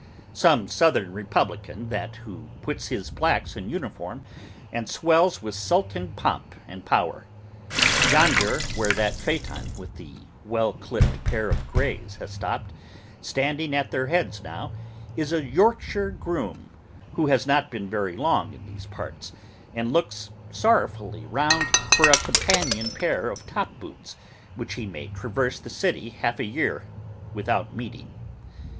Some southern republican that, who puts his blacks in uniform, and swells with Sultan pomp and power. Yonder, where that phaeton with the well clipped pair of grays has stopped—standing at their heads now—is a Yorkshire groom, who has not been very long in these parts, and looks sorrowfully round for a companion pair of top boots, which he may traverse the city half a year without meeting.